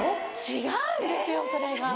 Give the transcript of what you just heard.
違うんですよそれが！